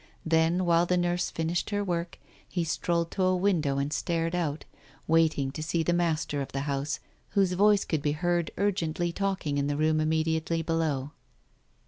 Then, while the nurse finished her work, he strolled to a window and stared out, wait ing to see the master of the house, whose voice could be heard urgently talking in the room immediately below.